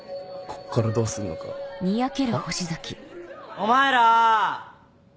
お前ら。